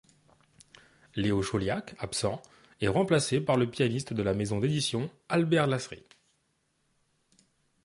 Léo Chauliac absent, est remplacé par le pianiste de la maison d’édition, Albert Lasry.